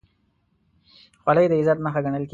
خولۍ د عزت نښه ګڼل کېږي.